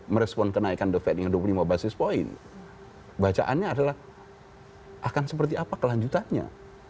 merespon kenaikan the fed dengan dua puluh lima basis point bacaannya adalah akan seperti apa kelanjutannya